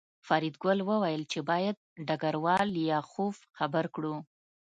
فریدګل وویل چې باید ډګروال لیاخوف خبر کړو